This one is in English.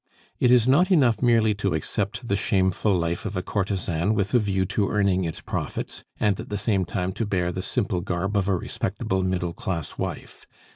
It is not enough merely to accept the shameful life of a courtesan with a view to earning its profits, and at the same time to bear the simple garb of a respectable middle class wife.